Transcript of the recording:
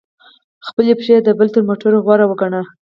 خپلي پښې د بل تر موټر غوره وګڼه!